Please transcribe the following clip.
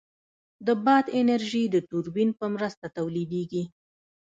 د باد انرژي د توربین په مرسته تولیدېږي.